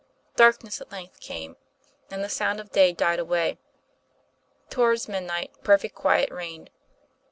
Darkness at length came; the sounds of the day died away. Toward midnight, perfect quiet reigned.